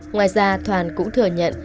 ngoài ra thoàn cũng thừa nhận